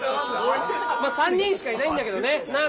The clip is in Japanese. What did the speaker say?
３人しかいないんだけどねなぁ